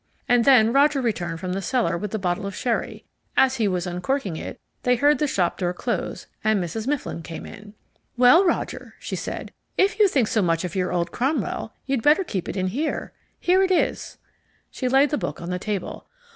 And then Roger returned from the cellar with the bottle of sherry. As he was uncorking it, they heard the shop door close, and Mrs. Mifflin came in. "Well, Roger," she said; "if you think so much of your old Cromwell, you'd better keep it in here. Here it is." She laid the book on the table.